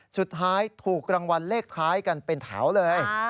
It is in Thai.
สุดท้ายถูกรางวัลเลขท้ายกันเป็นแถวเลย